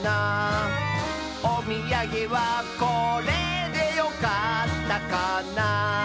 「おみやげはこれでよかったかな」